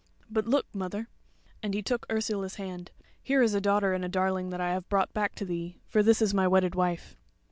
But look, mother," and he took Ursula's hand, "here is a daughter and a darling that I have brought back to thee, for this is my wedded wife."